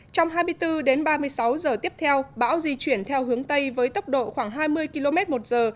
trong hai mươi bốn đến ba mươi sáu giờ tiếp theo bão di chuyển theo hướng tây với tốc độ khoảng hai mươi km một giờ